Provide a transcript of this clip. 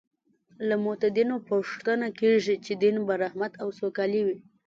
له متدینو پوښتنه کېږي چې دین به رحمت او سوکالي وي.